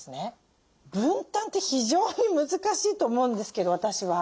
分担って非常に難しいと思うんですけど私は。